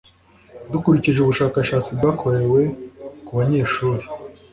dukurikije ubushakashatsi bwakorewe ku banyeshuri